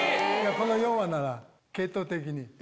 この４羽なら系統的に。